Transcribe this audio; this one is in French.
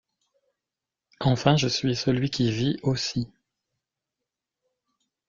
Enfin je suis celui qui vit, aussi.